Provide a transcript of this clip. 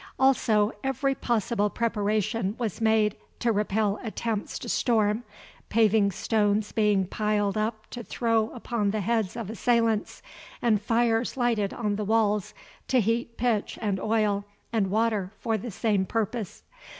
Also every possible preparation was made to repel attempts to storm, paving stones being piled up to throw upon the heads of assailants and fires lighted on the walls to heat pitch and oil and water for the same purpose.